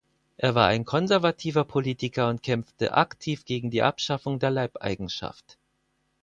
Er war ein konservativer Politiker und kämpfte aktiv gegen die Abschaffung der Leibeigenschaft.